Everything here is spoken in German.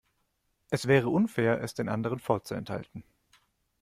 Es wäre unfair, es den anderen vorzuenthalten.